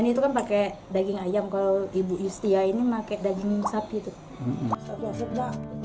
kalau ibu yustia ini pakai daging sapi itu